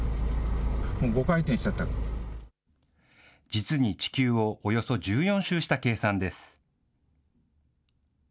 実に地球をおよそ１４周した計算です。